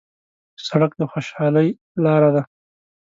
سړک د خوشحالۍ لاره ده.